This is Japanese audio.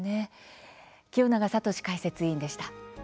清永聡解説委員でした。